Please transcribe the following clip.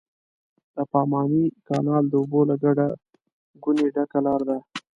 د پاماني کانال د اوبو له ګټه ګونې ډکه لاره ده.